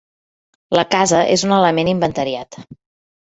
La casa és un element inventariat.